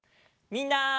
みんな！